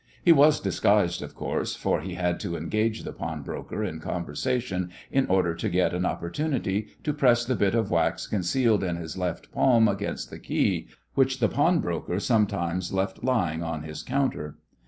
He was disguised, of course, for he had to engage the pawnbroker in conversation in order to get an opportunity to press the bit of wax concealed in his left palm against the key, which the pawnbroker sometimes left lying on his counter.